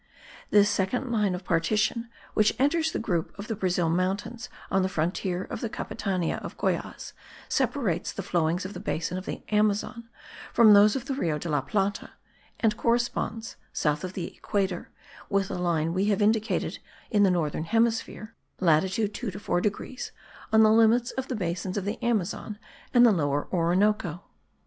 This second line of partition which enters the group of the Brazil mountains on the frontier of Capitania of Goyaz separates the flowings of the basin of the Amazon from those of the Rio de la Plata, and corresponds, south of the equator, with the line we have indicated in the northern hemisphere (latitude 2 to 4 degrees), on the limits of the basins of the Amazon and the Lower Orinoco.